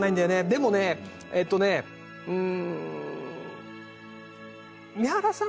でもねえっとねうーん。